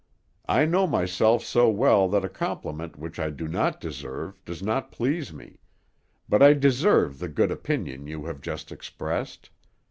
"I know myself so well that a compliment which I do not deserve does not please me; but I deserve the good opinion you have just expressed.